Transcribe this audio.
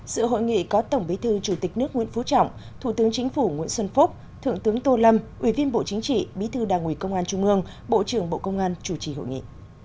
sự hội nghị có tổng bí thư chủ tịch nước nguyễn phú trọng thủ tướng chính phủ nguyễn xuân phúc thượng tướng tô lâm ubđc bí thư đảng ủy công an trung ương bộ trưởng bộ công an chủ trì hội nghị